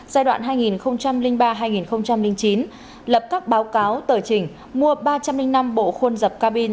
giai đoạn hai nghìn ba hai nghìn chín lập các báo cáo tờ trình mua ba trăm linh năm bộ khuôn dập cabin